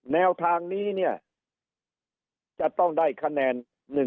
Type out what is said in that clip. แนวทางนี้เนี่ยจะต้องได้คะแนน